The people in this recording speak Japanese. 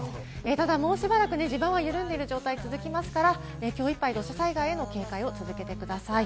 ただ、もうしばらく、地盤が緩んでいる状態が続きますから、きょういっぱいは土砂災害への警戒を続けてください。